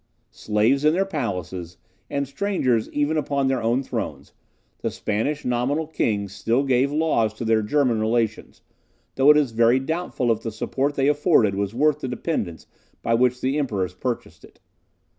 Slaves in their palaces, and strangers even upon their own thrones, the Spanish nominal kings still gave laws to their German relations; though it is very doubtful if the support they afforded was worth the dependence by which the emperors purchased it.